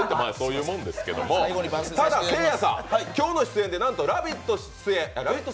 ただ、せいやさん、今日の出演でなんと「ラヴィット！」